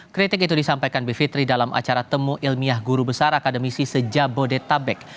kritik itu disampaikan bivitri dalam acara temu ilmiah guru besar akademisi sejak bodetabek